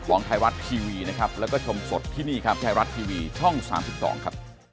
ครับสวัสดีครับ